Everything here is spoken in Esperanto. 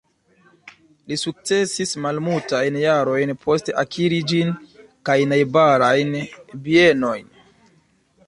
Li sukcesis malmultajn jarojn poste akiri ĝin kaj najbarajn bienojn.